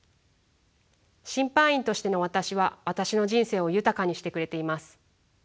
審判員としての私は私の人生を豊かにしてくれています。